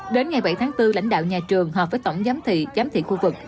đến ngày bảy tháng bốn lãnh đạo nhà trường họp với tổng giám thị giám thị khu vực